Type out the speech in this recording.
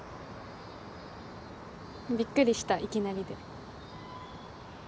びっくりしたいきなりで。